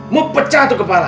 mau pecah tuh kepala